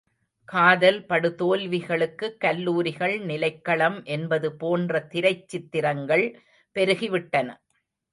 காதல் படு தோல்விகளுக்குக் கல்லூரிகள் நிலைக்களம் என்பது போன்ற திரைச் சித்திரங்கள் பெருகிவிட்டன.